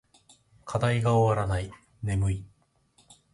課題が終わらない。眠い。